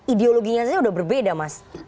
ideologinya sudah berbeda mas